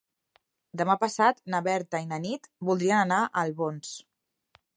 Demà passat na Berta i na Nit voldrien anar a Albons.